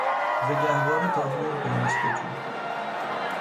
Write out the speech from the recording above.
زگهواره تا گور دانش بجوی